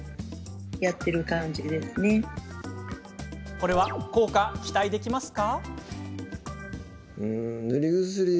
これは効果、期待できますか？